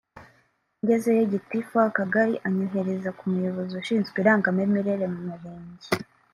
ngezeyo Gitifu w’Akagari anyohereza ku muyobozi ushinzwe irangamimerere mu Murenge